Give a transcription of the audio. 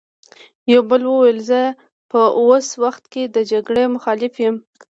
يوه بل وويل: خو زه په اوس وخت کې د جګړې مخالف يم!